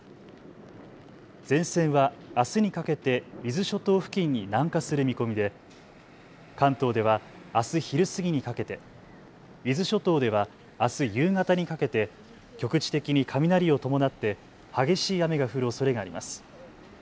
前線はあすにかけて伊豆諸島付近に南下する見込みで関東ではあす昼過ぎにかけて、伊豆諸島ではあす夕方にかけて局地的に雷を伴って激しい雨が降るおそれがあります。